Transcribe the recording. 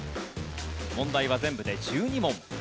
問題は全部で１２問。